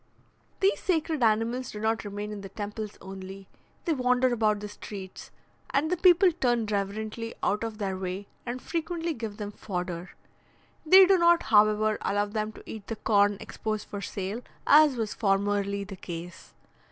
These sacred animals do not remain in the temples only they wander about the streets; and the people turn reverently out of their way, and frequently give them fodder. They do not, however, allow them to eat the corn exposed for sale, as was formerly the case.